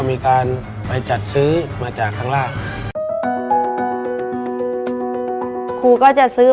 ในแคมเปญพิเศษเกมต่อชีวิตโรงเรียนของหนู